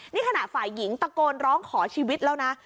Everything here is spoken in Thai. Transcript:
นี่ขณะฝ่ายหญิงตะโกนร้องขอชีวิตแล้วนะ